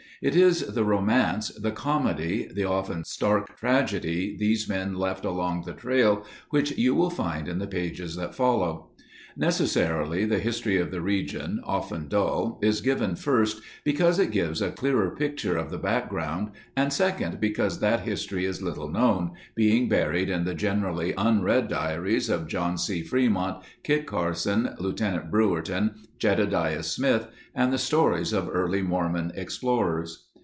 It is the romance, the comedy, the often stark tragedy these men left along the trail which you will find in the pages that follow. Necessarily the history of the region, often dull, is given first because it gives a clearer picture of the background and second, because that history is little known, being buried in the generally unread diaries of John C. Fremont, Kit Carson, Lt. Brewerton, Jedediah Smith, and the stories of early Mormon explorers.